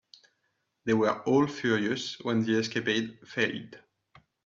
They were all furious when the escapade failed.